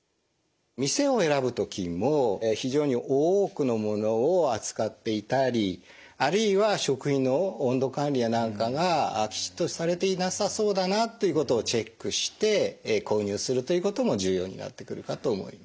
店を選ぶ時にも非常に多くのものを扱っていたりあるいは食品の温度管理や何かがきちっとされていなさそうだなということをチェックして購入するということも重要になってくるかと思います。